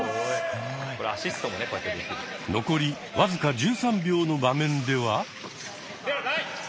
残り僅か１３秒の場面では。